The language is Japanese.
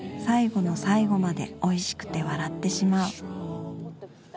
最後の最後までおいしくて笑ってしまう。